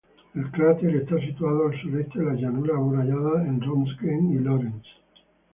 El cráter está situado al sureste de las llanuras amuralladas de Röntgen y Lorentz.